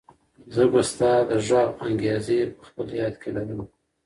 زه به ستا د غږ انګازې په خپل یاد کې لرم.